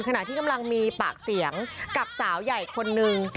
ขณะที่กำลังมีปากเสียงกับสาวใหญ่คนนึง